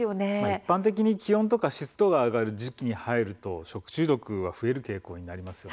一般的に気温湿度が上がる時期に入ると食中毒は増える傾向にあります。